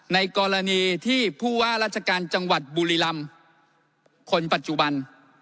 ในกรณีที่ผู้ว่าราชการจังหวัดบุรีรำคนปัจจุบัน